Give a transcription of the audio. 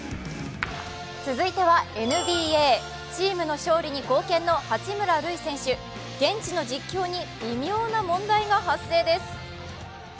続いてはＮＢＡチームの勝利に貢献の八村塁選手、現地の実況に微妙な問題が発生です。